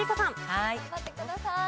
はーい。頑張ってください。